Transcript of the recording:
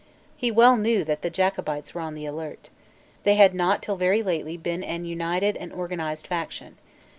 He well knew that the Jacobites were on the alert. They had not till very lately been an united and organized faction.